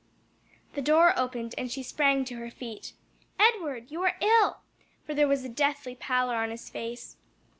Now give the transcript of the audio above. The door opened and she sprang to her feet. "Edward! you are ill!" for there was a deathly pallor on his face.